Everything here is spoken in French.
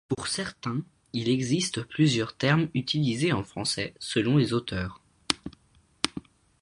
Pour certains, il existe plusieurs termes utilisés en français selon les auteurs.